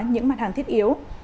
những mặt hàng thiết yếu